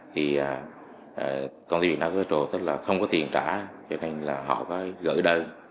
thì công ty việt nam capital tức là không có tiền trả cho nên là họ phải gửi đơn